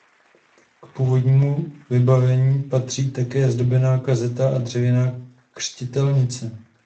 K původnímu vybavení patří také zdobená kazatelna a dřevěná křtitelnice.